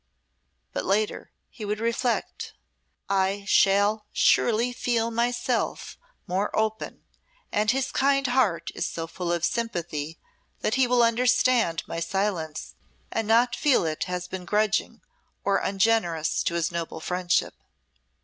"But later," he would reflect, "I shall surely feel myself more open and his kind heart is so full of sympathy that he will understand my silence and not feel it has been grudging or ungenerous to his noble friendship."